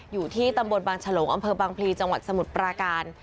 อยู่ที่ตำบลบางฉลงอำเภอบางพลีจังหวัดสมุทรปราการ